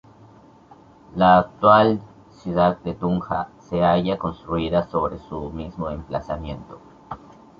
La actual ciudad de Tunja se halla construida sobre su mismo emplazamiento.